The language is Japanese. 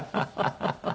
ハハハハ。